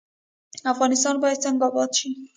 افغانستان باید څنګه اباد شي؟